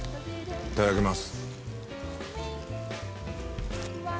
いただきます。